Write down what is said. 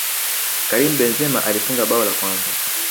karim benzema alifunga bao la kwanza